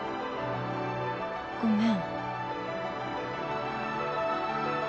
ごめん。